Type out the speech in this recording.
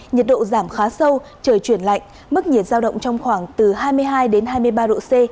nhiệt độ giảm khá sâu trời chuyển lạnh mức nhiệt giao động trong khoảng từ hai mươi hai đến hai mươi ba độ c